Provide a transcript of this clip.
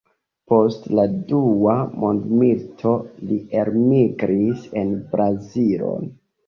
Post la dua mondmilito li elmigris en Brazilon.